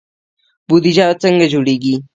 بودجه څنګه جوړیږي؟